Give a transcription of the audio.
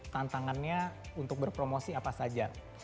tantangannya untuk berpromosi apa saja